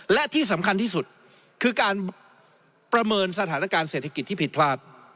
และที่สำคัญที่สุดคือการประเมินสถานการณ์เศรษฐกิจที่ผิดพลาด